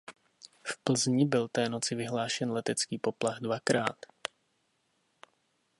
V Plzni byl té noci vyhlášen letecký poplach dvakrát.